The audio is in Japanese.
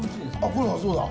これはそうだ。